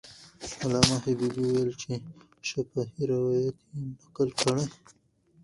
علامه حبیبي وویل چې شفاهي روایت یې نقل کړی.